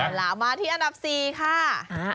เอาล่ะมาที่อันดับ๔ค่ะ